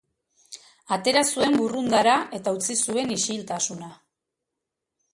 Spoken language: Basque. Atera zuen burrundara eta utzi zuen isiltasuna.